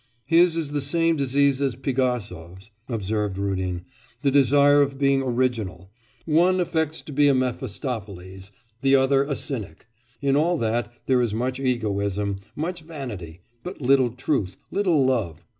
'His is the same disease as Pigasov's,' observed Rudin, 'the desire of being original. One affects to be a Mephistopheles the other a cynic. In all that, there is much egoism, much vanity, but little truth, little love.